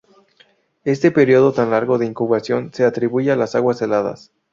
Este periodo tan largo de incubación se atribuye a las aguas heladas.